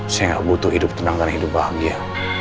saya butuh hidup tenang dan hidup bahagia